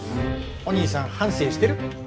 お兄さん反省してる？